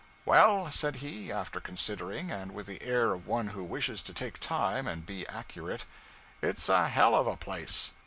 'Well,' said he, after considering, and with the air of one who wishes to take time and be accurate, 'It's a hell of a place.'